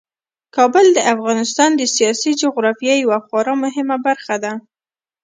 کابل د افغانستان د سیاسي جغرافیې یوه خورا مهمه برخه ده.